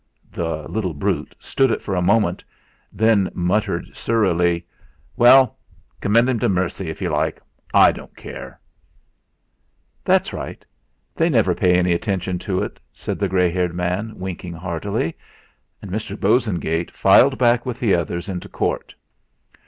The "little brute" stood it for a moment, then muttered surlily: "Well, commend 'im to mercy if you like; I don't care." "That's right; they never pay any attention to it," said the grey haired man, winking heartily. And Mr. Bosengate filed back with the others into court.